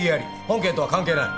本件とは関係ない。